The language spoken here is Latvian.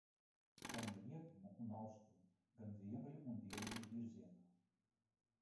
Gan rietumu un austrumu, gan ziemeļu un dienvidu virzienā.